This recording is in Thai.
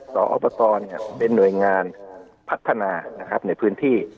สออบตเป็นหน่วยงานพัฒนาในพื้นที่